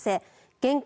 現金